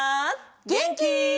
げんき？